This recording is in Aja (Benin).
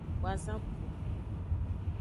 Wazapu.